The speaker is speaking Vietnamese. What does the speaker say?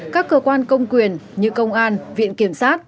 các cơ quan công quyền như công an viện kiểm sát